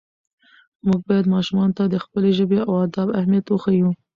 موږ باید ماشومانو ته د خپلې ژبې او ادب اهمیت وښیو